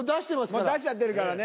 もう出しちゃってるからね。